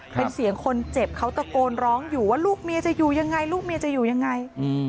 เป็นเสียงคนเจ็บเขาตะโกนร้องอยู่ว่าลูกเมียจะอยู่ยังไงลูกเมียจะอยู่ยังไง